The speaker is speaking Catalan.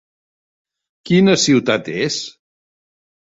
Quina ciutat és?